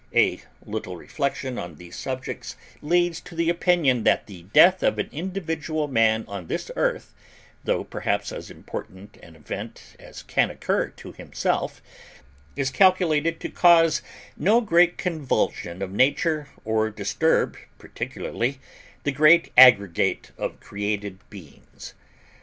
A little reflection on these subjects leads to the opinion that the death of an individual man on this Earth, though perhaps as important an event as can occur to himself, is calculated to cause no great convulsion of Nature or disturb particularly the great aggregate of created beings.